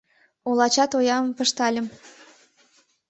Олача тоям пыштальым.